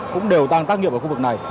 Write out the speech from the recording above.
cũng đều đang tác nghiệp ở khu vực này